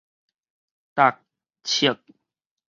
觸